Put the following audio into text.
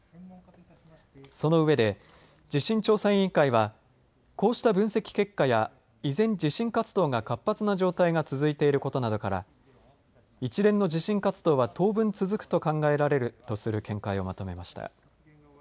その上で地震調査委員会はこうした分析結果や依然、地震活動が活発な状態が続いていることなどから一連の地震活動は当分続くと考えられるとする見解をまとめました。